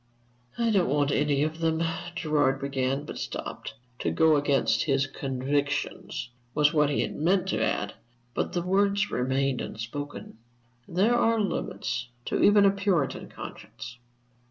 "I don't want any of them" Gerard began, but stopped. "To go against his convictions," was what he had meant to add, but the words remained unspoken. There are limits to even a Puritan conscience.